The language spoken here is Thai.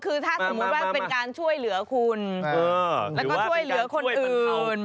คือถ้าสมมุติว่าเป็นการช่วยเหลือคุณแล้วก็ช่วยเหลือคนอื่น